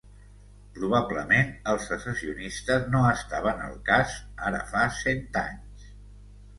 Probablement els secessionistes no estaven al cas ara fa cent anys.